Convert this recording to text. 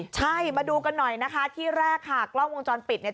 ใช่มาดูกันหน่อยนะคะที่แรกค่ะกล้องวงจรปิดเนี่ย